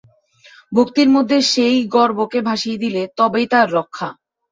ভক্তির মধ্যে সেই গর্বকে ভাসিয়ে দিয়ে তবেই তার রক্ষা।